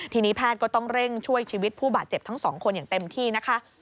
ทีนี้แพทย์ก็ต้องเร่งช่วยชีวิตผู้บาดเจ็บทั้งสองคนอย่างเต็มที่นะคะ